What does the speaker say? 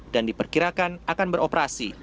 dan diperkirakan akan beroperasi